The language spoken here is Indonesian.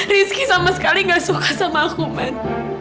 rizky sama sekali gak suka sama aku man